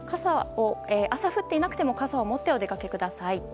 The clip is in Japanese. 朝降っていなくても傘を持ってお出かけください。